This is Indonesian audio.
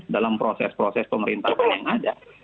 dalam proses proses pemerintahan yang ada